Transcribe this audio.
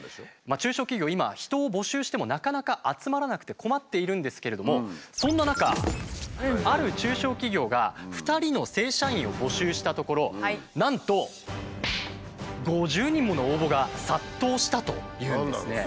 中小企業今人を募集してもなかなか集まらなくて困っているんですけれどもそんな中ある中小企業が２人の正社員を募集したところなんと５０人もの応募が殺到したというんですね。